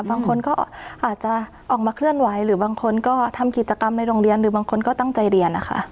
บางคนก็อาจจะออกมาเคลื่อนไหวหรือบางคนก็ทำกิจกรรมในโรงเรียนหรือบางคนก็ตั้งใจเรียนนะคะ